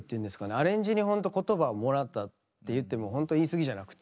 アレンジにほんと言葉をもらったって言ってもほんと言いすぎじゃなくて。